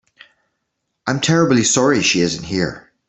I'm terribly sorry she isn't here.